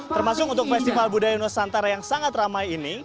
termasuk untuk festival budaya nusantara yang sangat ramai ini